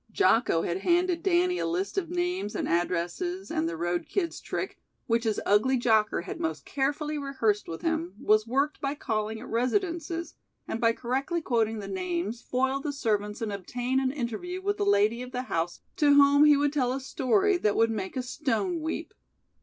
Jocko had handed Danny a list of names and addresses and the road kid's trick, which his ugly jocker had most carefully rehearsed with him, was worked by calling at residences and by correctly quoting the names foil the servants and obtain an interview with the lady of the house to whom he would tell a story that would make a "stone weep."